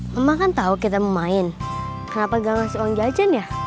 mama kan tahu kita mau main kenapa gak ngasih uang jajan ya